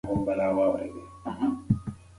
تقوا لرل د رښتیني علم لومړی ګام دی.